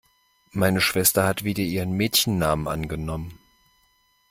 Meine Schwester hat wieder ihren Mädchennamen angenommen.